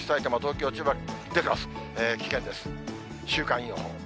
週間予報。